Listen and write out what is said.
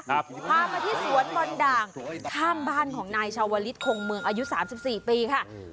พามาที่สวนบอลดางข้ามบ้านของนายชาววลิสคงเมืองอายุ๓๔ปีค่ะ